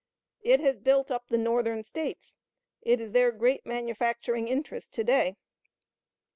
It has built up the Northern States. It is their great manufacturing interest to day.